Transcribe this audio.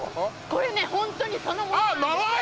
これねホントにそのもの